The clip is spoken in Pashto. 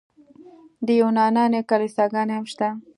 د یونانیانو کلیساګانې هم شته.